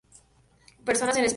Personas en Español.